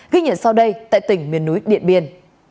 ghi nhận sau đây tại tỉnh miền núi điện biên